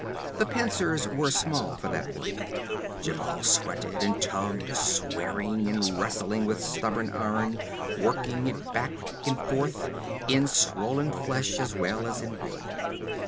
The pincers were small for that work. Djebal sweated and tugged, swearing and wrestling with the stubborn iron, working it back and forth in swollen flesh as well as in wood.